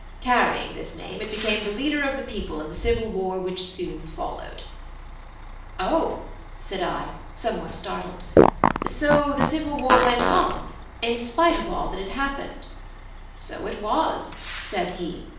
Carrying this name, it became the leader of the people in the civil war which soon followed." "O," said I, somewhat startled, "so the civil war went on, in spite of all that had happened?" "So it was," said he.